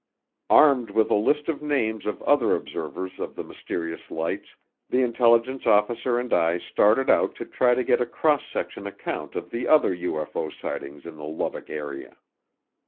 Armed with a list of names of other observers of the mysterious lights, the intelligence officer and I started out to try to get a cross section account of the other UFO sightings in the Lubbock area.